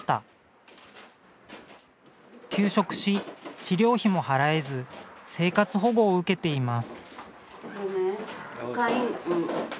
休職し治療費も払えず生活保護を受けています。